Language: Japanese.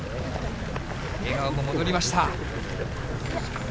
笑顔も戻りました。